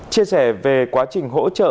chia sẻ về quá trình hỗ trợ